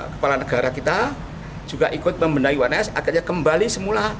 kepala negara kita juga ikut membenahi uns akhirnya kembali semula